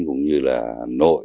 cũng như là nội